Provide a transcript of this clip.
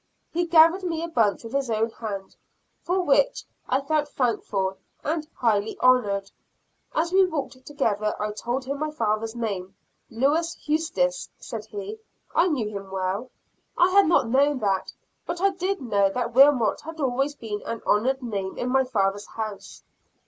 He gathered me a bunch with his own hand, for which I felt thankful and highly honored; as we walked together I told him my father's name. "Lewis Huestis," said he, "I knew him well." I had not known that, but I did know that Wilmot had always been an honored name in my father's house.